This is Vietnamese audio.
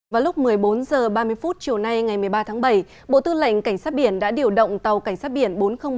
vào lúc một mươi bốn h ba mươi phút chiều nay ngày một mươi ba tháng bảy bộ tư lệnh cảnh sát biển đã điều động tàu cảnh sát biển bốn nghìn ba mươi hai